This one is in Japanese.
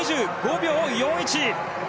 ２５秒４１。